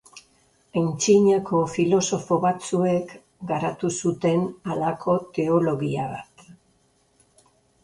Antzinako filosofo batzuek garatu zuten halako teologia bat.